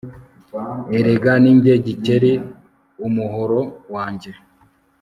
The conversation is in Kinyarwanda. Erega ni jye Gikeli Umuhoro wanjye